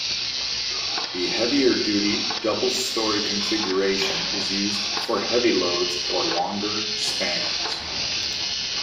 The heavier duty double-storey configuration is used for heavy loads or longer spans.